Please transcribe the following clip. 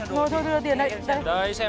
rồi thôi đưa tiền đây